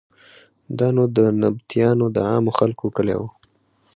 دا نو د نبطیانو د عامو خلکو کلی و.